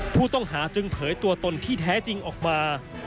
ผู้ต้องหาจึงเผยตัวตนที่แท้จริงออกมา